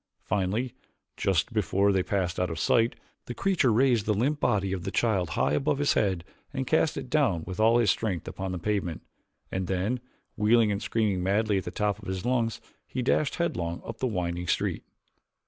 Finally, just before they passed out of sight the creature raised the limp body of the child high above his head and cast it down with all his strength upon the pavement, and then, wheeling and screaming madly at the top of his lungs, he dashed headlong up the winding street.